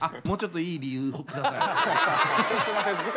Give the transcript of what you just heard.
もうちょっといい理由下さい。